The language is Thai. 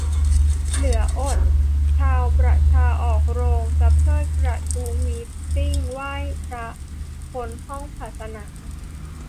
เหลืออด ! ชาวประชาออกโรงตะเพิดกระทู้มีตติ้งไหว้พระพ้นห้องศาสนา !